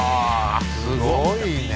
すごいね。